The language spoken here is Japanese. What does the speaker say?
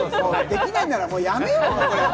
できないならやめようよ。